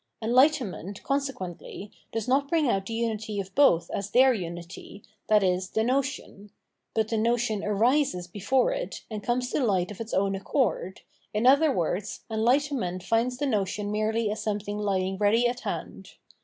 Enhghtenment, consequently, does not bring out the unity of both as their umty, i.e. the notion ; but the notion arises before it and comes to hght of its own accord, in other words, enhghtenment finds the notion merely as something lying ready at hand.